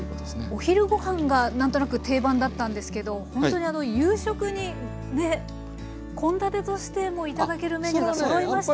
お昼ごはんが何となく定番だったんですけどほんとにあの夕食にね献立としても頂けるメニューがそろいましたね。